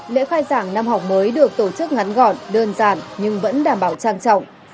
lễ khai giảng năm học mới được tổ chức ngắn gọn đơn giản nhưng vẫn đảm bảo trang trọng